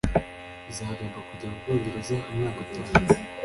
Uzagomba kujya mubwongereza umwaka utaha.